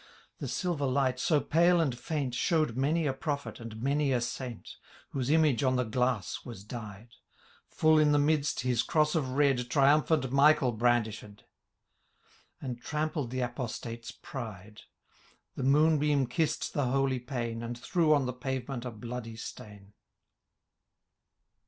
The silver light, so pale and fidnt, ShewM many a prophet, and many a saint. Whose image on the glass was dyed ; Full in the midst, his Cross of Red Triumphant Michael brandished, And trampled the Apostate*s pride. The moon beam kissM the holy pane. And threw on the parement a bloody stain.